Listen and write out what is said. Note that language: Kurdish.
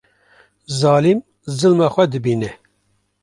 Zalim zilma xwe dibîne